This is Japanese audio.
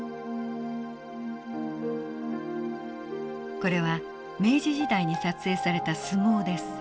これは明治時代に撮影された相撲です。